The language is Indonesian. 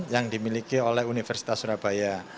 yang dimiliki oleh universitas surabaya